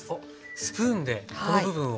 スプーンでこの部分を？